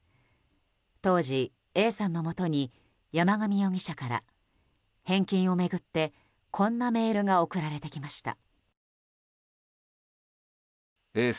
当時、Ａさんのもとに山上容疑者から返金を巡って、こんなメールが送られてきました。